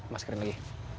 mas keren lagi